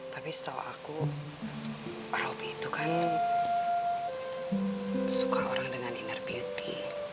tapi setau aku robby itu kan suka orang dengan inner beauty